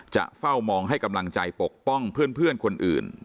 เฝ้ามองให้กำลังใจปกป้องเพื่อนคนอื่น